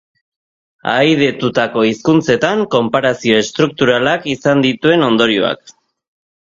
Ahaidetutako hizkuntzetan konparazio estrukturalak izan dituen ondorioak.